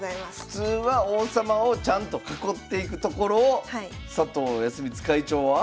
普通は王様をちゃんと囲っていくところを佐藤康光会長は？